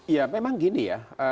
ya memang gini ya